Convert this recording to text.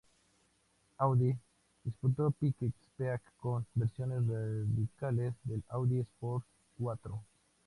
Audi disputó Pikes Peak con versiones radicales del Audi Sport Quattro.